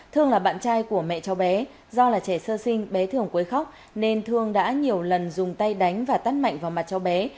thương là bạn trai của mẹ cháu bé do là trẻ sơ sinh bé thường quấy khóc nên thương đã nhiều lần dùng tay đánh và tắt mạnh vào mặt cháu bé